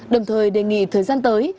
đồng thời đề nghị thời gian tới